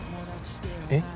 えっ？